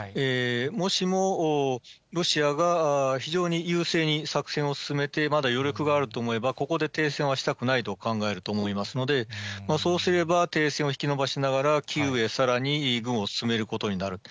もしも、ロシアが非常に優勢に作戦を進めて、まだ余力があると思えば、ここで停戦はしたくないと考えると思いますので、そうすれば、停戦を引き延ばしながら、キーウへさらに軍を進めることになると。